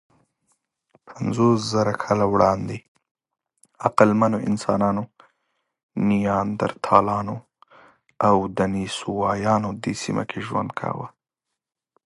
پنځوسزره کاله وړاندې عقلمنو انسانانو، نیاندرتالانو او دنیسووایانو دې سیمه کې ژوند کاوه.